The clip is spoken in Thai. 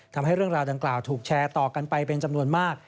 ทำให้เรื่องราวดังกล่าวถูกแชร์ต่อกันไปเป็นจำนวนมาก